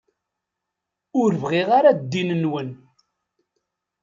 Ur bɣiɣ ara ddin-nwen.